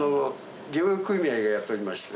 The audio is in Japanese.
漁業組合がやっておりまして。